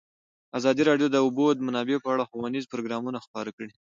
ازادي راډیو د د اوبو منابع په اړه ښوونیز پروګرامونه خپاره کړي.